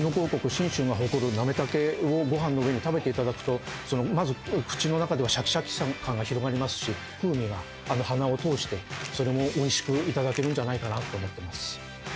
信州が誇るなめ茸を食べていただくとまず口の中ではシャキシャキ感が広がりますし風味が鼻を通しておいしくいただけるんじゃないかなと思ってます。